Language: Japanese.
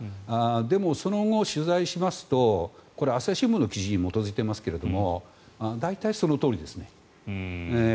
でもその後、取材しますと朝日新聞の記事に基づいていますが大体、そのとおりですね。